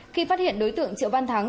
khi phát hiện đối tượng triệu văn thắng